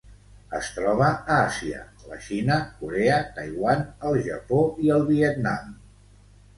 Es troba a Àsia: la Xina, Corea, Taiwan, el Japó i el Vietnam.